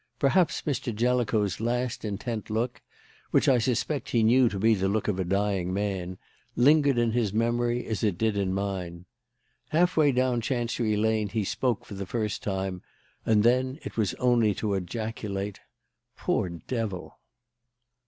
Perhaps Mr. Jellicoe's last intent look which I suspect he knew to be the look of a dying man lingered in his memory as it did in mine. Half way down Chancery Lane he spoke for the first time; and then it was only to ejaculate, "Poor devil!"